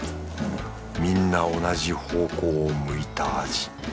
みんな同じ方向を向いた味。